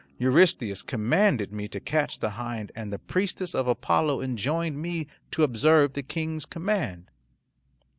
Eurystheus commanded me to catch the hind and the priestess of Apollo enjoined me to observe the King's command."